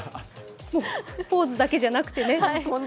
ポーズだけじゃなくてね。